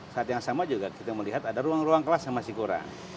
saat yang sama juga kita melihat ada ruang ruang kelas yang masih kurang